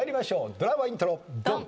ドラマイントロドン！